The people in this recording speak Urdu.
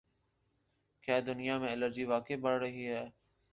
کیا دنیا میں الرجی واقعی بڑھ رہی ہے